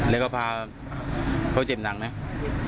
แล้วก็พาเขาเจ็บหนังเนี่ย